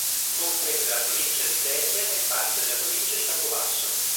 Comprende la Provincia di Isernia e parte della Provincia di Campobasso.